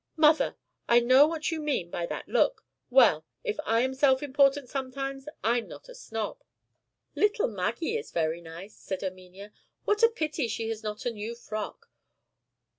Mother! I know what you mean by that look. Well! if I am self important sometimes, I'm not a snob." "Little Maggie is very nice," said Erminia. "What a pity she has not a new frock!